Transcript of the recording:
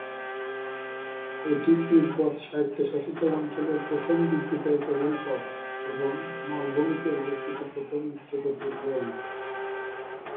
এটি তিব্বত স্বায়ত্তশাসিত অঞ্চলের প্রথম বিদ্যুতায়িত রেলপথ এবং মালভূমিতে অবস্থিত প্রথম উচ্চ-গতির রেল।